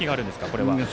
これは。